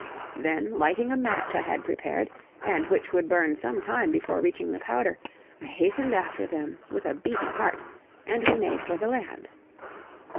Then lighting a match I had prepared, and which would burn some time before reaching the powder, I hastened after them with a beating heart, and we made for the land.